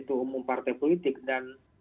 umum partai politik dan